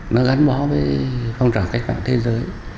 nó gắn bó với phong trào cách mạng thế giới